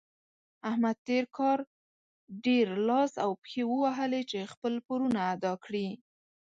احمد تېر کار ډېر لاس او پښې ووهلې چې خپل پورونه ادا کړي.